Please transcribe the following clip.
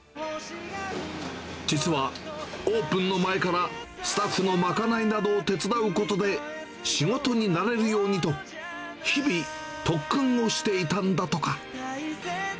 実はオープンの前から、スタッフの賄いなどを手伝うことで、仕事に慣れるようにと、日々、特訓をしていたんだとか。